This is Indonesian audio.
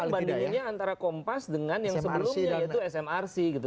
karena orang bandinginnya antara kompas dengan yang sebelumnya yaitu smrc gitu